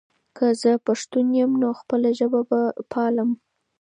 که زه پښتون یم، نو خپله ژبه به پالم.